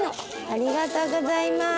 ありがとうございます。